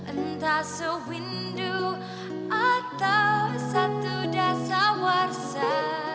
entah suwindu atau satu dasar warsa